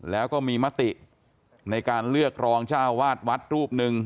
แล้วก็มีมติในการเลือกรองเจ้าวาดวัดรูปหนึ่ง